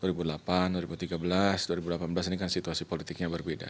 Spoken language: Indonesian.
dua ribu delapan dua ribu tiga belas dua ribu delapan belas ini kan situasi politiknya berbeda